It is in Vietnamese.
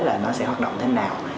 là nó sẽ hoạt động thế nào